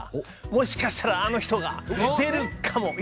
もしかしたらあの人が出るかも！